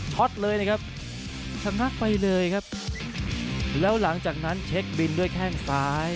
็อตเลยนะครับชนะไปเลยครับแล้วหลังจากนั้นเช็คบินด้วยแข้งซ้าย